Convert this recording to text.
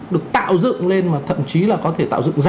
được tạo dựng lên và thậm chí là có thể tạo dựng giả